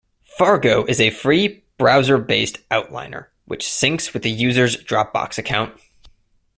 Fargo is a free browser-based outliner which syncs with a user's Dropbox account.